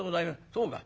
「そうか。